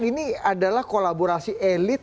ini adalah kolaborasi elit